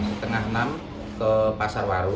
setengah enam ke pasar waru